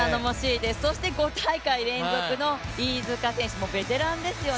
５大会連続の飯塚選手、もうベテランですよね。